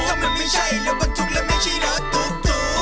ก็มันไม่ใช่รถบันทุกและไม่ใช่รถตุ๊กตุ๊ก